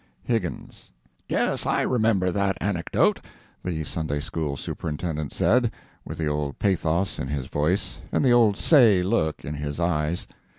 [Higgins] "Yes, I remember that anecdote," the Sunday school superintendent said, with the old pathos in his voice and the old say look in his eyes.